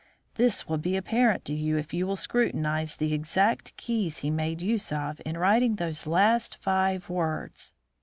This will be apparent to you if you will scrutinise the exact keys he made use of in writing those last five words.